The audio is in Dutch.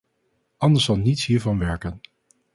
Anders zal niets hiervan werken.